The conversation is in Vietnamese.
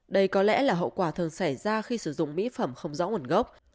đây có lẽ là hậu quả thường xảy ra khi sử dụng mỹ phẩm không rõ nguồn gốc